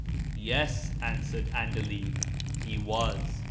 " Yes," answered 'Andalib, " he was."